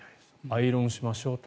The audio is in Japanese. アイロンしましょう。